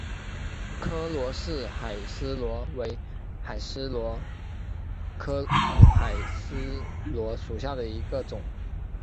柯罗氏海蛳螺为海蛳螺科海蛳螺属下的一个种。